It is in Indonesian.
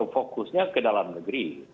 fokusnya ke dalam negeri